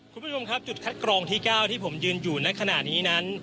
คุณผู้ชมครับจุดคัดกรองที่๙ที่ผมยืนอยู่ในขณะนี้นั้น